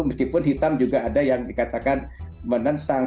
meskipun hitam juga ada yang dikatakan menentang